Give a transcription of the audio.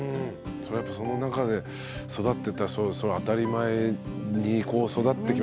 それはやっぱその中で育ってたらそれ当たり前に育ってきますよね